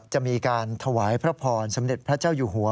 จะมีการถวายพระพรสมเด็จพระเจ้าอยู่หัว